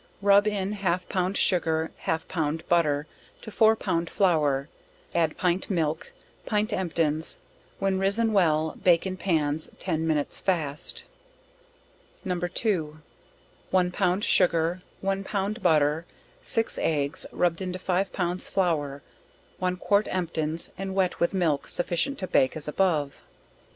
Rub in half pound sugar, half pound butter, to four pound flour, add pint milk, pint emptins; when risen well, bake in pans ten minutes, fast. No. 2. One pound sugar, one pound butter, six eggs, rubbed into 5 pounds flour, one quart emptins and wet with milk, sufficient to bake, as above.